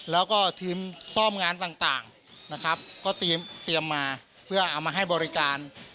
แล้วก็ทีมซ่อมงานต่างนะครับก็เตรียมมาเพื่อเอามาให้บริการ